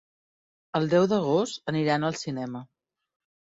El deu d'agost aniran al cinema.